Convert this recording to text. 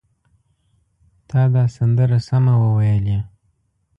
تا دا سندره سمه وویلې!